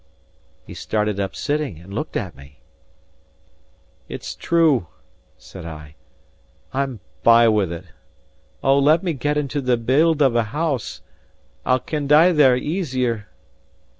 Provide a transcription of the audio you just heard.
He started up sitting, and looked at me. "It's true," said I. "I'm by with it. O, let me get into the bield of a house I'll can die there easier."